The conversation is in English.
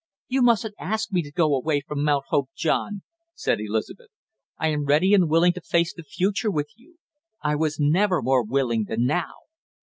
"You mustn't ask me to go away from Mount Hope, John!" said Elizabeth. "I am ready and willing to face the future with you; I was never more willing than now!"